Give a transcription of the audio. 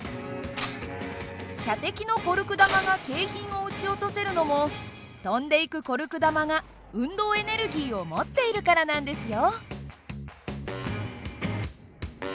射的のコルク弾が景品を撃ち落とせるのも飛んでいくコルク弾が運動エネルギーを持っているからなんですよ。